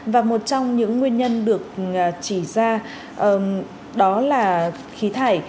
và một trong những nguyên nhân được chỉ ra đó là khí thải